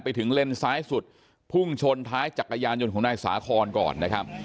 เลนซ้ายสุดพุ่งชนท้ายจักรยานยนต์ของนายสาคอนก่อนนะครับ